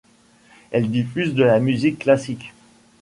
Elle diffuse de la musique classique.